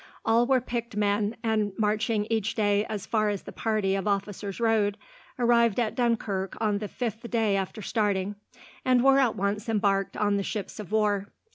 All were picked men, and, marching each day as far as the party of officers rode, arrived at Dunkirk on the fifth day after starting, and were at once embarked on the ships of war.